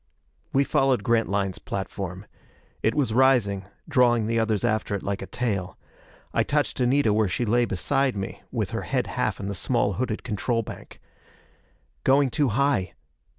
We followed Grantline's platform. It was rising, drawing the others after it like a tail. I touched Anita where she lay beside me with her head half in the small hooded control bank. "Going too high."